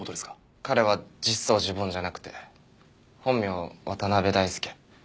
彼は実相寺梵じゃなくて本名渡辺大介。